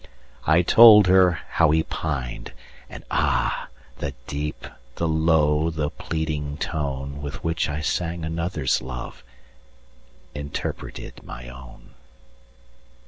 I told her how he pined: and, ah! The deep, the low, the pleading toneWith which I sang another's loveInterpreted my own.